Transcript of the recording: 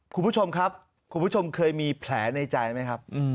คุณผู้ชมครับคุณผู้ชมเคยมีแผลในใจไหมครับ